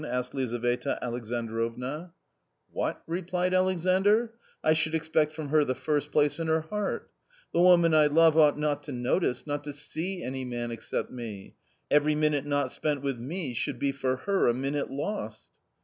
asked Lizaveta Alexandrovna. / A COMMON STORY 145 " What !" replied Alexandr, " I should expect from her the first place in her heart. The woman I love ought not to notice, not to see any man except me ; every minute not spent with me should be for her a minute lost."